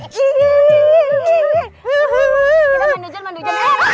kita menuju menuju